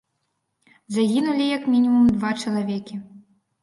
Загінулі, як мінімум, два чалавекі.